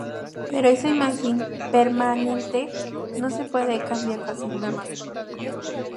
Pero esa imagen permanente no se puede cambiar fácilmente.